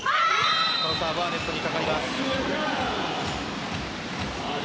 このサーブはネットにかかります。